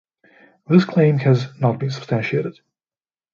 This claim has not been substantiated.